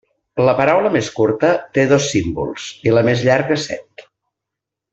La paraula més curta té dos símbols, i la més llarga set.